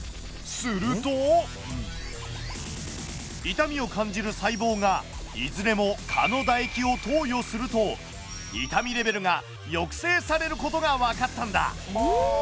痛みを感じる細胞がいずれも蚊の唾液を投与すると痛みレベルが抑制されることが分かったんだ。